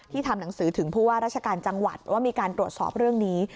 ทำหนังสือถึงผู้ว่าราชการจังหวัดว่ามีการตรวจสอบเรื่องนี้